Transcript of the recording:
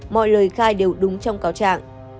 mọi lời khai đều đúng trong cao trạng